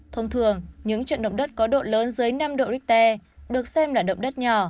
thông thường những trận động đất có độ lớn dưới năm độ richter được xem là động đất nhỏ